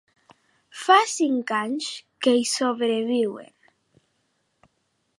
Fa cinc anys que hi sobreviuen.